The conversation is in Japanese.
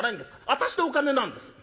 私のお金なんです。